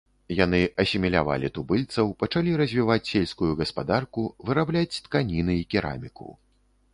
Яны асімілявалі тубыльцаў, пачалі развіваць сельскую гаспадарку, вырабляць тканіны і кераміку.